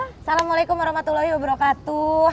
assalamualaikum warahmatullahi wabarakatuh